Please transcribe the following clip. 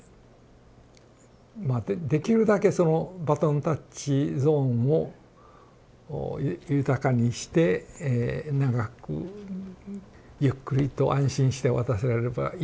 できるだけそのバトンタッチゾーンを豊かにして長くゆっくりと安心して渡せられればいいなと思ってますけどね。